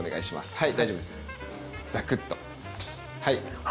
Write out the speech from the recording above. はい。